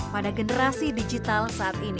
pada generasi digital saat ini